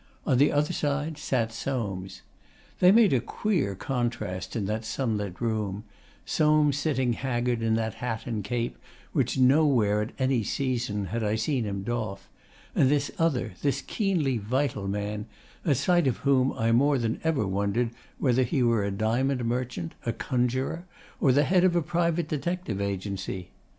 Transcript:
On the other side sat Soames. They made a queer contrast in that sunlit room Soames sitting haggard in that hat and cape which nowhere at any season had I seen him doff, and this other, this keenly vital man, at sight of whom I more than ever wondered whether he were a diamond merchant, a conjurer, or the head of a private detective agency.